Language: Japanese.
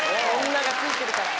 女がついてるから。